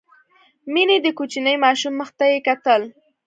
مينې د کوچني ماشوم مخ ته يې کتل.